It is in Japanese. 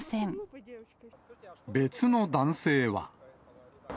別の男性は。